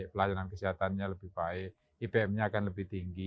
pelayanan kesehatannya lebih baik ipm nya akan lebih tinggi